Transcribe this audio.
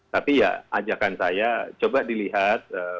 tapi ya ajakan saya coba dilihat